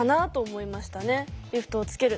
リフトをつける。